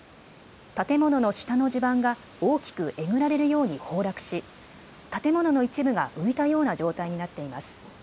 建物の下の地盤が大きくえぐられるように崩落し建物の一部が浮いたような状態になっています。